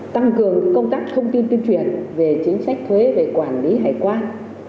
tăng cường công tác thông tin tuyên truyền về chính sách thuế về quản lý hải quan